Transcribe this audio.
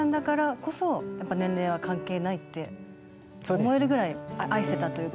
思えるぐらい愛せたというか。